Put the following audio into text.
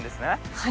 はい。